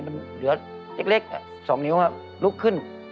มันเหลือเล็ก๒นิ้วลุกขึ้น